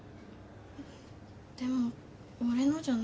でも俺のじゃないし。